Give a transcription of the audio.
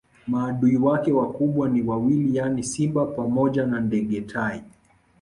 Maadui wake wakubwa ni wawili yaani simba pamoja na ndege tai